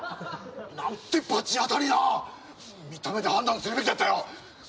何て罰当たりな見た目で判断するべきだったよ